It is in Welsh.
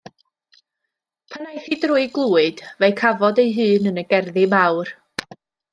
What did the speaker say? Pan aeth hi drwy glwyd fe'i cafod ei hun yn y gerddi mawr.